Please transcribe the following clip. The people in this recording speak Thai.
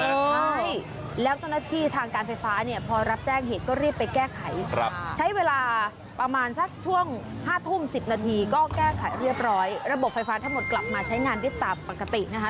ใช่แล้วเจ้าหน้าที่ทางการไฟฟ้าเนี่ยพอรับแจ้งเหตุก็รีบไปแก้ไขใช้เวลาประมาณสักช่วง๕ทุ่ม๑๐นาทีก็แก้ไขเรียบร้อยระบบไฟฟ้าทั้งหมดกลับมาใช้งานได้ตามปกตินะคะ